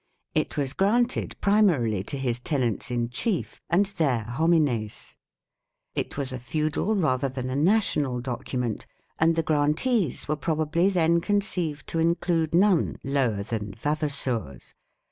It was granted primarily to his tenants in chief and their " homines ". It was a feudal rather than a national document, and the grantees were probably then conceived to include none lower than " vavassores